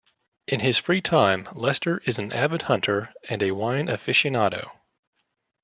In his free time, Lester is an avid hunter and a wine aficionado.